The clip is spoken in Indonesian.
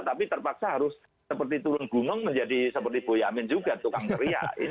tapi terpaksa harus seperti turun gunung menjadi seperti boyamin juga tukang teriak